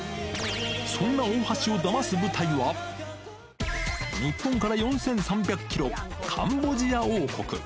そんな大橋をダマす舞台は、日本から４３００キロ、カンボジア王国。